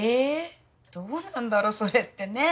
どうなんだろうそれってねぇ？